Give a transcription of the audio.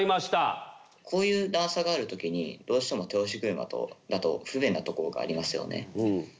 こういう段差がある時にどうしても手押し車だと不便なところがありますよね。